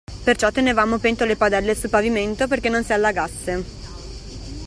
Perciò tenevamo pentole e padelle sul pavimento perché non si allagasse.